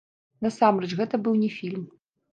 Насамрэч, гэта быў не фільм.